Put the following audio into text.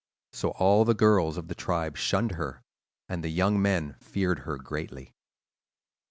So all the girls of the tribe shunned her, and the young men feared her greatly.